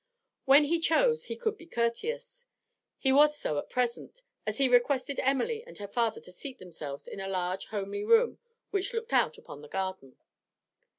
When he chose, he could be courteous; he was so at present, as he requested Emily and her father to seat themselves in a large homely room which looked out upon the garden.